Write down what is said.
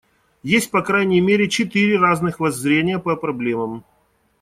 Есть по крайней мере четыре разных воззрения по проблемам.